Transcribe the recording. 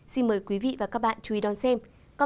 xin mời quý vị và các bạn chú ý đón xem